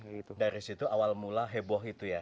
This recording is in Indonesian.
dari situ awal mula heboh itu ya